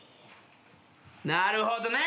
なるほどね！